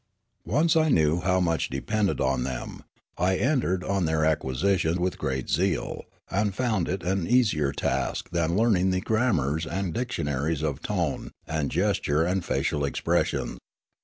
Once I knew how much depended on them, I entered on their acquisition with great zeal, and found it an easier task than learning the grammars and dictionaries of tone, and gesture, and facial expression.